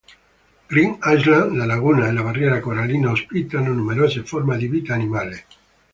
Green Island, la laguna e la barriera corallina ospitano numerose forme di vita animale.